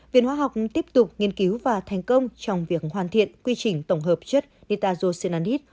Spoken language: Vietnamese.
viện hóa học tiếp tục nghiên cứu và thành công trong việc hoàn thiện quy trình tổng hợp chất nitajosenandit